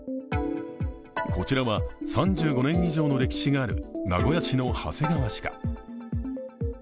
こちらは３５年以上の歴史がある名古屋市の長谷川歯科。